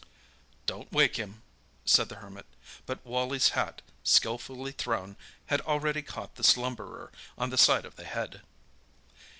"Don't wake him," said the Hermit. But Wally's hat, skilfully thrown, had already caught the slumberer on the side of the head.